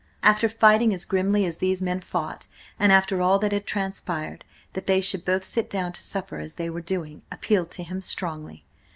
After fighting as grimly as these men fought, and after all that had transpired, that they should both sit down to supper as they were doing, appealed to him strongly.